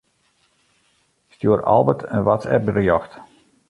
Stjoer Albert in WhatsApp-berjocht.